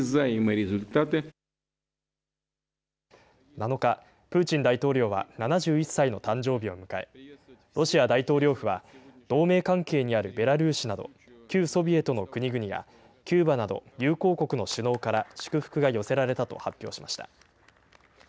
７日、プーチン大統領は、７１歳の誕生日を迎え、ロシア大統領府は、同盟関係にあるベラルーシなど旧ソビエトの国々やキューバなど友好国の首脳から祝福が寄せられたと発表しました。